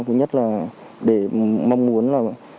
thứ nhất là để mong muốn là